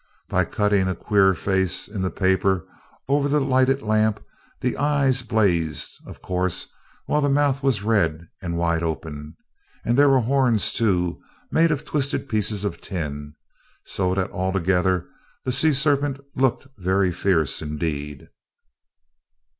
By cutting out a queer face in the paper over the lighted lamp the eyes blazed, of course, while the mouth was red, and wide open, and there were horns, too, made of twisted pieces of tin, so that altogether the sea serpent looked very fierce, indeed.